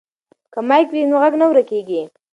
که مایک وي نو غږ نه ورکیږي.